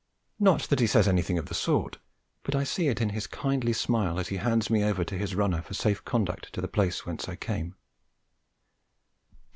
Not that he says anything of the sort, but I see it in his kindly smile as he hands me over to his runner for safe conduct to the place from whence I came.